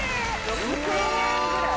・６０００円ぐらい？